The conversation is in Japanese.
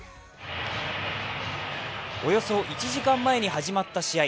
およそ１時間前に始まった試合。